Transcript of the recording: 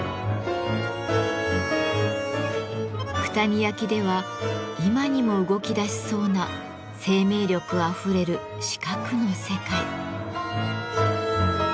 九谷焼では今にも動きだしそうな生命力あふれる四角の世界。